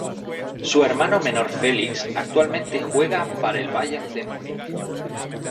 Su hermano menor Felix actualmente juega para el Bayern de Múnich.